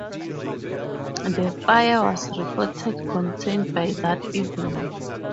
The fire was reported contained by that evening.